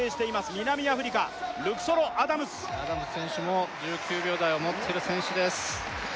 南アフリカルクソロ・アダムスアダムス選手も１９秒台を持ってる選手です